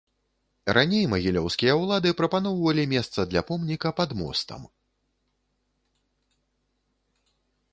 Раней магілёўскія ўлады прапаноўвалі месца для помніка пад мостам.